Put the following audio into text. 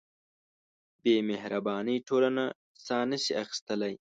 بېمهربانۍ ټولنه ساه نهشي اخیستلی.